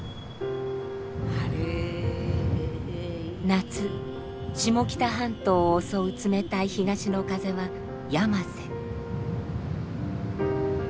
夏下北半島を襲う冷たい東の風はヤマセ。